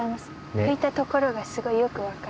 ふいたところがすごいよくわかる。